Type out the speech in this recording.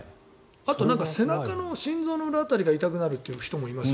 あと、背中の心臓の裏辺りが痛くなるって人もいますよね。